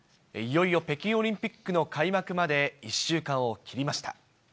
いよいよ北京オリンピックの開幕まで１週間を切りました。